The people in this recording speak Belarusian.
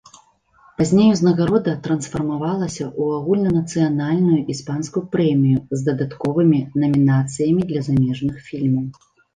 Пазней узнагарода трансфармавалася ў агульнанацыянальную іспанскую прэмію з дадатковымі намінацыямі для замежных фільмаў.